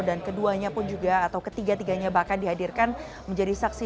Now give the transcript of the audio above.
dan keduanya pun juga atau ketiga tiganya bahkan dihadirkan menjadi saksi